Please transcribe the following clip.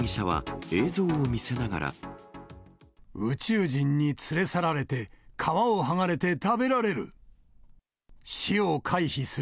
宇宙人に連れ去られて、皮を剥がれて食べられる。